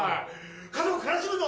家族悲しむぞ？